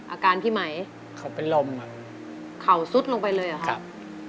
อาการพี่ไหมเขาเป็นลมครับเขาซุดลงไปเลยเหรอครับ